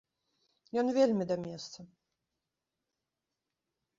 Ён вельмі да месца!